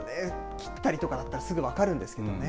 切ったりだったらすぐ分かるんですけどね。